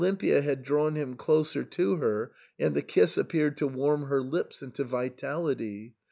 his mind But Olimpia had drawn him closer to her, and the kiss appeared to warm her lips into vitality.